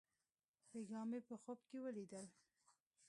بېګاه مې په خوب کښې وليدل.